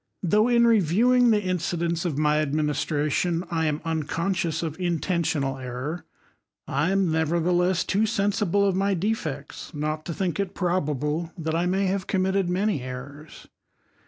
though in reviewing the incidents of my adminis itration, I am unconseious of intentional error; I am nevertheless too sensible of my defects not to think it bable that I may have committed many errors.